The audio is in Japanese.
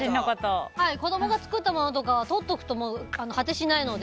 子供が作ったものとかとっておくと果てしないので。